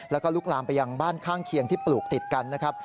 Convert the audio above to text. แล้วก็ลุกลามไปยังบ้านข้างเคียงที่ปลูกติดกันนะครับ